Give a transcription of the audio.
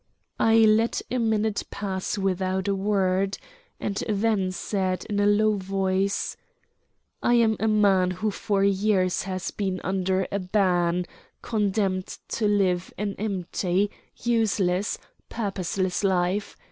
I let a minute pass without a word, and then said in a low voice: "I am a man who for years has been under a ban, condemned to live an empty, useless, purposeless life.